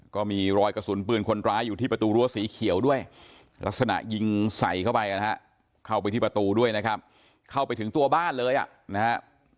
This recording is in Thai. ก็มีรอยกระสุนปืนคนร้ายอยู่ที่ประตูรั้วสีเขียวด้วยลักษณะยิงใส่เข้าไปนะฮะเข้าไปที่ประตูด้วยนะครับเข้าไปถึงตัวบ้านเลยอ่ะนะฮะ